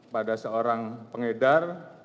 pada seorang pengedipan